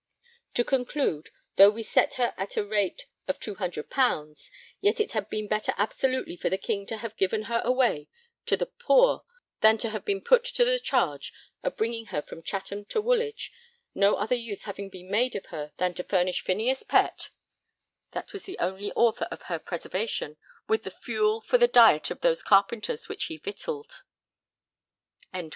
To conclude, though we set her at a rate of 200_l._, yet it had been better absolutely for the King to have given her away to the poor than to have been put to the charge of bringing her from Chatham to Woolwich, no other use having been made of her than to furnish Phineas Pett (that was the only author of her preservation) with fuel for the diet of those Carpenters which he victualled.